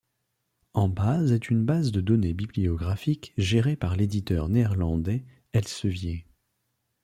Embase est une base de données bibliographiques gérée par l'éditeur néerlandais Elsevier.